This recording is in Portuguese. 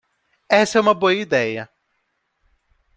Essa é uma boa ideia.